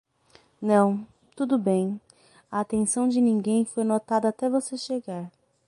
Não, tudo bem, a atenção de ninguém foi notada até você chegar.